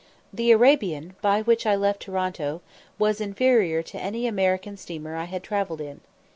The Arabian, by which I left Toronto, was inferior to any American steamer I had travelled in.